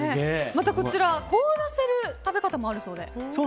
またこちら凍らせる食べ方もあるそうで。